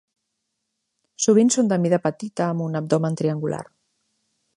Sovint són de mida petita, amb un abdomen triangular.